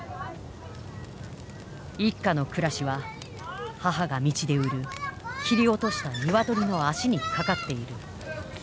一家の暮らしは母が道で売る切り落とした鶏の足にかかっている。